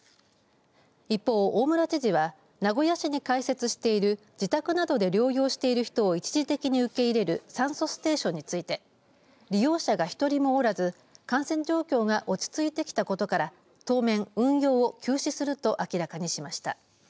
一方、大村知事は名古屋市に開設している自宅などで療養している人を一時的に受け入れる酸素ステーションについて利用者が１人もおらず感染状況が落ち着いてきたことから当面、運用を休止すると明らかにしました。